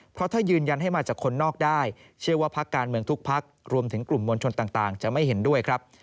เพราะถ้ายืนยันให้มาจากคนนอกได้เชื่อว่าพักการเมืองทุกพักรวมถึงกลุ่มมวลชนต่างจะไม่เห็นด้วยครับ